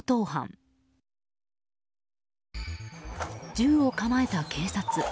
銃を構えた警察。